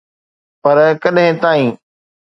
پر، ڪڏهن تائين؟